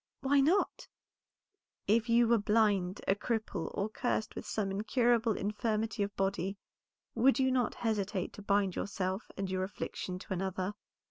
"Why not?" "If you were blind, a cripple, or cursed with some incurable infirmity of body, would not you hesitate to bind yourself and your affliction to another?"